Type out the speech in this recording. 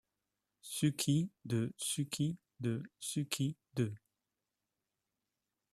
Suki de, Suki de, Suki de.